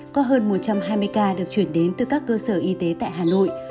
có hơn một trăm hai mươi ca được chuyển đến từ các cơ sở y tế tại hà nội